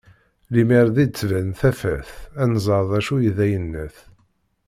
Lemmer di d-tban tafat, ad nẓer d acu i d ayennat